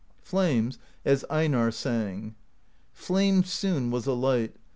Flames, as Einarr sang: Flame soon was alight.